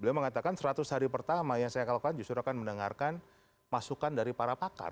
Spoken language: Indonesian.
beliau mengatakan seratus hari pertama yang saya lakukan justru akan mendengarkan masukan dari para pakar